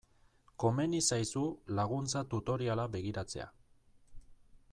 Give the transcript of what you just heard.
Komeni zaizu laguntza tutoriala begiratzea.